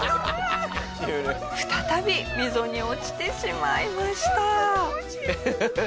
再び溝に落ちてしまいました。